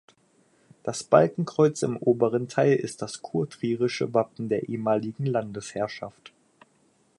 Das Balkenkreuz im oberen Teil ist das kurtrierische Wappen der ehemaligen Landesherrschaft.